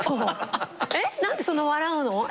えっ何でそんな笑うの？